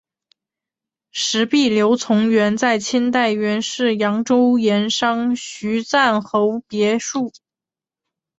石壁流淙园在清代原是扬州盐商徐赞侯别墅。